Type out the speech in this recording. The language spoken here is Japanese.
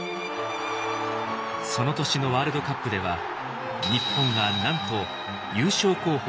その年のワールドカップでは日本がなんと優勝候補